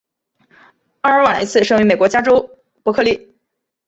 阿尔瓦雷茨生于美国加州伯克利。